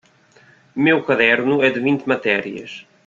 Meu caderno é de vinte matérias.